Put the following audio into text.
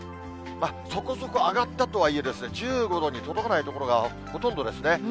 そこそこ上がったとはいえ、１５度に届かない所がほとんどですね。